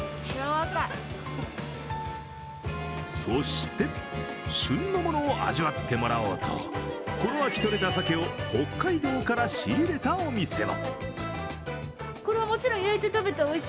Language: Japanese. そして、旬のものを味わってもらおうとこの秋、取れたさけを北海道から仕入れたお店も。